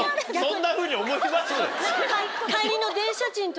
そんなふうに思います？